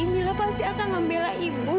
inilah pasti akan membela ibu